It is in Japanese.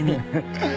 アハハハ。